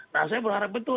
nah saya berharap betul